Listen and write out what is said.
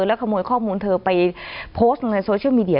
แล้วขโมยข้อมูลเธอไปโพสต์ลงในโซเชียลมีเดีย